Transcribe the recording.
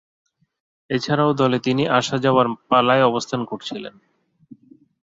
এছাড়াও দলে তিনি আসা-যাওয়ার পালায় অবস্থান করছিলেন।